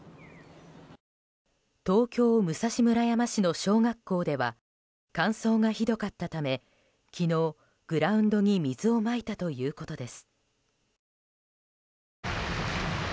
東京・武蔵村山市の小学校では乾燥がひどかったため昨日、グラウンドに水をまいたということです。